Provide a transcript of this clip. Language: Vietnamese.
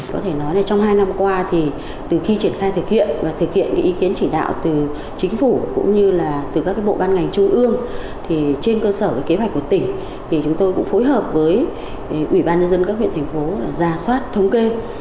có thể nói trong hai năm qua từ khi triển khai thực hiện và thực hiện ý kiến chỉ đạo từ chính phủ cũng như bộ ban ngành trung ương trên cơ sở kế hoạch của tỉnh chúng tôi cũng phối hợp với ủy ban dân dân các huyện thành phố ra soát thống kê